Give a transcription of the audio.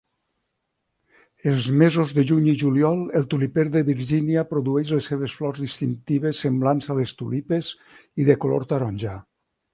Els mesos de juny i juliol, el tuliper de Virgínia produeix les seves flors distintives semblants a les tulipes i de color taronja.